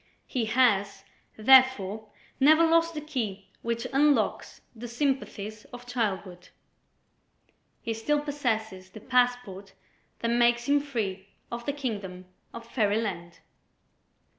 He has, therefore, never lost the key which unlocks the sympathies of childhood; he still possesses the passport that makes him free of the kingdom of Fairyland.